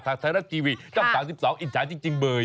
ทางไทยรัฐทีวีตั้งแต่๓๒นาฬิกาอินทรายจริงเบย